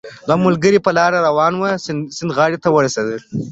دوه ملګري په لاره روان وو، د سیند غاړې ته ورسېدل